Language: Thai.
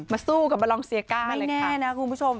ไม่แน่นะคุณผู้ชม